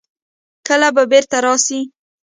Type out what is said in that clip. کله به بېرته راسي.